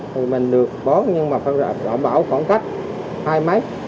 thì mình được bó nhưng mà phải bảo khoảng cách hai mét